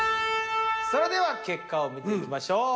それでは結果を見ていきましょう。